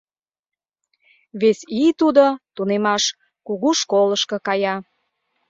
Вес ий тудо тунемаш кугу школышко кая.